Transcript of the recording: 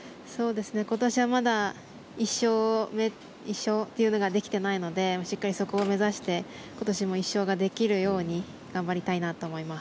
今年はまだ１勝というのができてないのでしっかりそこを目指して今年も１勝ができるように頑張りたいと思います。